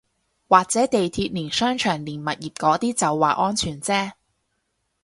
或者地鐵連商場連物業嗰啲就話安全啫